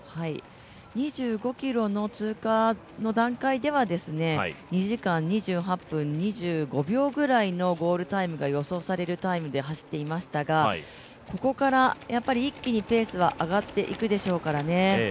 ２５ｋｍ通過の段階では２時間２８分２５秒くらいのゴールタイムが予想されるタイムで走っていましたがここから一気にペースは上がっていくでしょうからね。